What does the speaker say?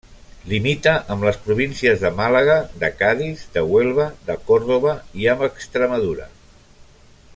Limita amb les províncies de Màlaga, de Cadis, de Huelva, de Còrdova, i amb Extremadura.